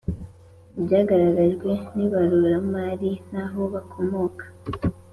ibyagaragajwe n ibaruramari naho bakomoka